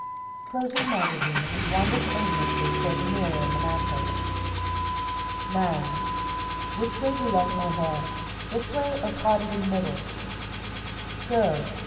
(Closes magazine and wanders aimlessly toward the mirror in the mantel.) MAN. "Which way do you like my hair; this way, or parted in the middle?" GIRL.